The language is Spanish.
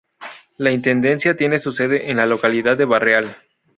La intendencia tiene su sede en la localidad de Barreal.